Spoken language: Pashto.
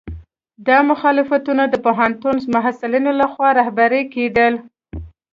دا مخالفتونه د پوهنتون محصلینو لخوا رهبري کېدل.